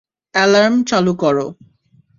Alarm চালু করো।